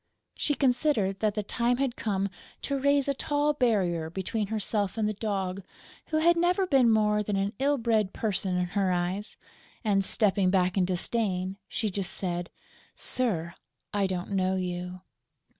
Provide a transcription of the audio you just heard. She considered that the time had come to raise a tall barrier between herself and the Dog, who had never been more than an ill bred person in her eyes; and, stepping back in disdain, she just said: "Sir, I don't know you."